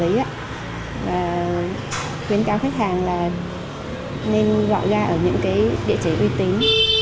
và khuyến cáo khách hàng nên gọi ga ở những địa chỉ uy tín